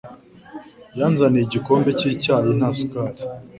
Yanzaniye igikombe cy'icyayi nta sukari.